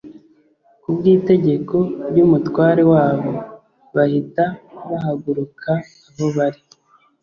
ku bw'itegeko ry'umutware wabo, bahita bahaguruka aho bari